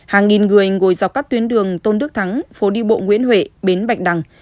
hàng nghìn người ngồi dọc các tuyến đường tôn đức thắng phố đi bộ nguyễn huệ bến bạch đằng